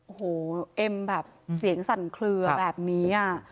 โอ้โหเอ็มแบบเสียงสั่นเคลือแบบนี้